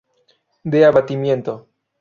De abatimiento.